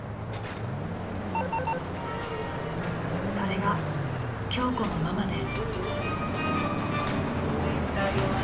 ［それが京子のママです］